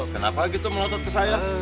kenapa gitu melotot ke saya